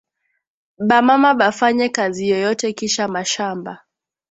Ba mama ba fanye kazi yoyote kisha mashamba